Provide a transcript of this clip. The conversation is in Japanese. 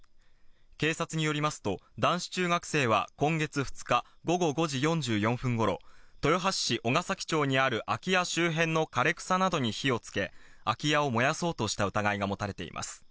警察によりますと男子中学生は今月２日、午後５時４４分頃、豊橋市王ケ崎町にある空き家周辺の枯れ草などに火をつけ空き家を燃やそうとした疑いが持たれています。